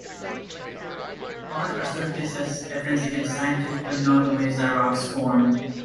Baugh asserted this as evidence against scientifically known ways that rocks form.